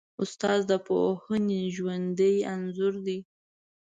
استاد د پوهنې ژوندی انځور دی.